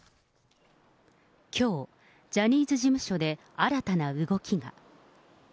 きょう、ジャニーズ事務所で新たな動きが。